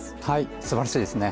素晴らしいですね。